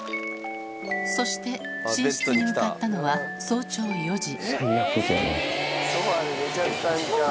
そして、寝室に向かったのは早朝４時。